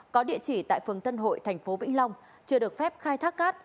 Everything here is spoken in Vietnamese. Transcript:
có địa chỉ tại phường tân hội thành phố vĩnh long chưa được phép khai thác cát